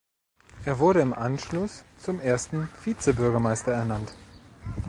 Er wurde im Anschluss zum ersten Vizebürgermeister ernannt.